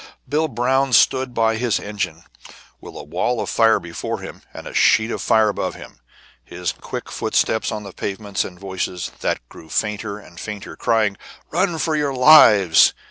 Bill Brown stood by his engine, with a wall of fire before him and a sheet of fire above him. He heard quick footsteps on the pavements, and voices, that grew fainter and fainter, crying: "Run for your lives!"